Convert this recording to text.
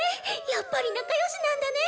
やっぱり仲良しなんだね。